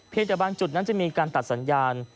เพียงแต่บ้านจุดนั้นจะมีการตัดสัญญาณ